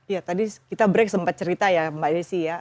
ya tadi kita break sempat cerita ya mbak desi ya